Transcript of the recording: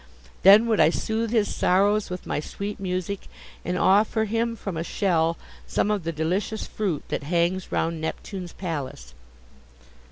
Then would I soothe his sorrows with my sweet music, and offer him from a shell some of the delicious fruit that hangs round Neptune's palace."